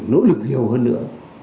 nỗ lực nhiều hơn nữa